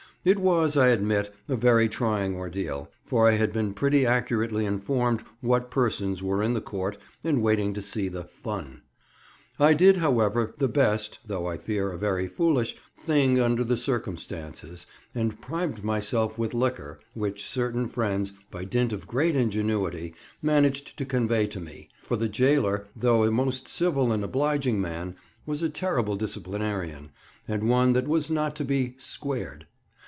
It was, I admit, a very trying ordeal, for I had been pretty accurately informed what persons were in the court and waiting to see the "fun." I did, however, the best (though, I fear, a very foolish) thing under the circumstances, and primed myself with liquor, which certain friends, by dint of great ingenuity, managed to convey to me, for the gaoler, though a most civil and obliging man, was a terrible disciplinarian, and one that was not to be "squared."